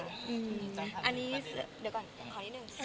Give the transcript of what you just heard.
อันนี้เดี๋ยวก่อนขอนิดนึง